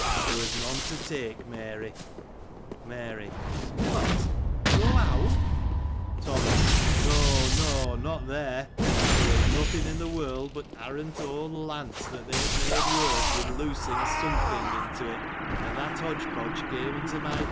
There was none to take, Mary. Mary. — What, no owl ? Thomas, — No ! no ! not there ! It was nothing in the world but arrant old lant^ that they had made worse with loosing something into it ; and that hodge podge came into my face with 1.